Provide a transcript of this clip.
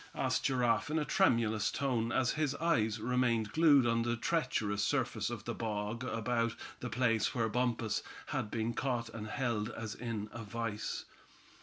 asked Giraffe in a tremulous tone, as his eyes remained glued on the treacherous surface of the bog about the place where Bumpus had been caught and held as in a vise.